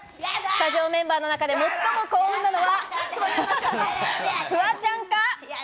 スタジオメンバーの中で最も幸運なのは、フワちゃんか？